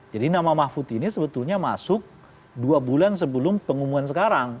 jadi nama mahfud ini sebetulnya masuk dua bulan sebelum pengumuman sekarang